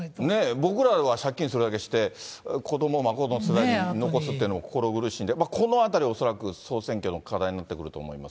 僕らは借金するだけして、子ども、孫の世代に残すっていうのは心苦しいんで、このあたりを恐らく総選挙の課題になってくると思います。